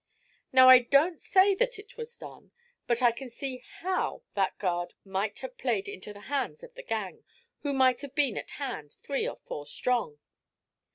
Now I don't say that it was done, but I can see how that guard might have played into the hands of the gang, who might have been at hand three or four strong.